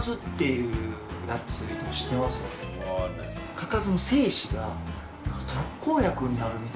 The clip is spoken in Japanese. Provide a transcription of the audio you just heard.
嘉数の精子が特効薬になるみたいな。